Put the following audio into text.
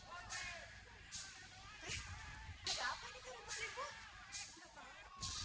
maka ini ada kal topping ikan